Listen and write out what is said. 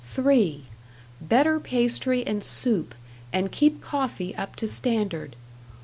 "(3) Better pastry and soup and keep coffee up to standard.